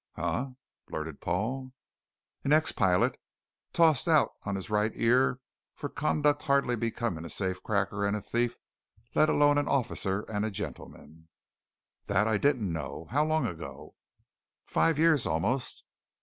"Huh?" blurted Paul. "An ex pilot, tossed out on his right ear for conduct hardly becoming a safecracker and a thief, let alone an officer and a gentleman." "That I didn't know. How long ago?" "Five years, almost."